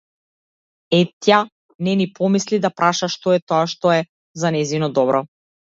Етја не ни помисли да праша што е тоа што е за нејзино добро.